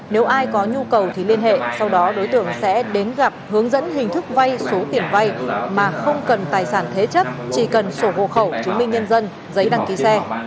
nếu ai có nhu cầu thì liên hệ sau đó đối tượng sẽ đến gặp hướng dẫn hình thức vay số tiền vay mà không cần tài sản thế chấp chỉ cần sổ hộ khẩu chứng minh nhân dân giấy đăng ký xe